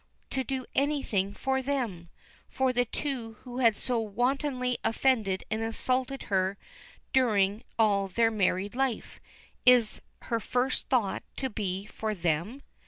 To do anything for them. For the two who had so wantonly offended and insulted her during all her married life: Is her first thought to be for them?